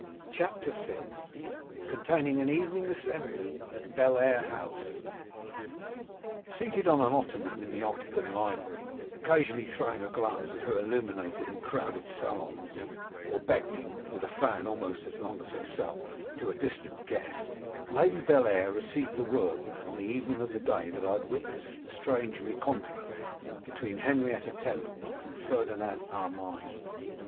CHAPTER VI. Containing an Evening Assembly at Bellair House. SEATED on an ottoman in the octagon library, occasionally throwing a glance at her illuminated and crowded saloons, or beckoning, with a fan almost as long as herself, to a distant guest, Lady Bellair received the world on the evening of the day that had witnessed the strange rencontre between Henrietta Temple and Ferdinand Armine.